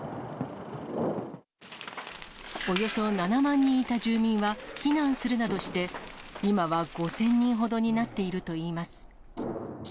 およそ７万人いた住民は避難するなどして、今は５０００人ほどになっているといいます。